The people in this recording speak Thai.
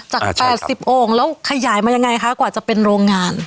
จาก๘๐โอ่งแล้วขยายมายังไงคะกว่าจะเป็นโรงงาน